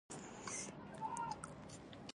پخو لمبو کې هم رڼا وي